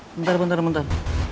bentar bentar bentar